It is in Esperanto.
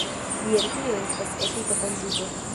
Jen tio estas etika konduto.